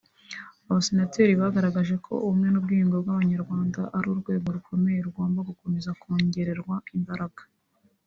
Abasenateri bagaragaje ko ubumwe n’ubwiyunge bw’Abanyarwanda ari urwego rukomeye rugomba gukomeza kongererwa imbaraga